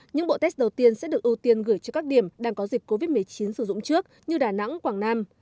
những bộ test đầu tiên sẽ được ưu tiên gửi cho các điểm đang có dịch covid một mươi chín sử dụng trước như đà nẵng quảng nam